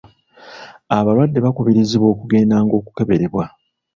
Abalwadde bakubirizibwa okugendanga okukeberebwa.